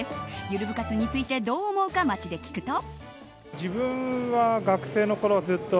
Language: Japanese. ゆる部活についてどう思うか街で聞くと。